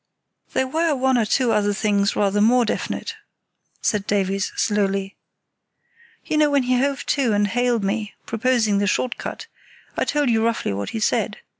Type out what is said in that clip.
"There were one or two things rather more definite," said Davies, slowly. "You know when he hove to and hailed me, proposing the short cut, I told you roughly what he said.